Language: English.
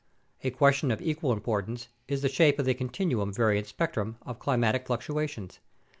A question of equal importance is the shape of the continuum variance spectrum of climatic fluctua tions.